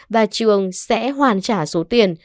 và trường sẽ hoàn trả số tiền